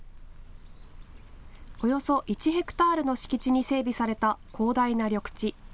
およそ１ヘクタールの敷地に整備された広大な緑地。